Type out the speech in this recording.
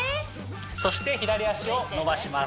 そして左脚を伸ばします